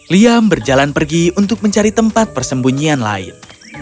liam berjalan pergi untuk mencari tempat persembunyian lain